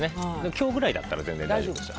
今日ぐらいだったら全然、大丈夫です。